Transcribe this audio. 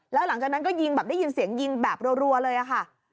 แล้วหลังจากนั้นก็ยิงแบบได้ยินเสียงยิงแบบรัวเลยอะค่ะ